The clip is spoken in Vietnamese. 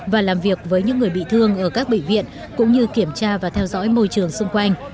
và làm việc với những người bị thương ở các bệnh viện cũng như kiểm tra và theo dõi môi trường xung quanh